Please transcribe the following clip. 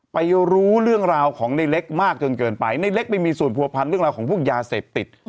รู้เรื่องราวของในเล็กมากจนเกินไปในเล็กไปมีส่วนผัวพันธ์เรื่องราวของพวกยาเสพติด